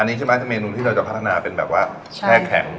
อันนี้ใช่ไหมเมนูที่เราจะพัฒนาเป็นแบบว่าแช่แข็ง